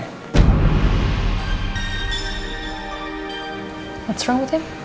apa yang salahnya sama dia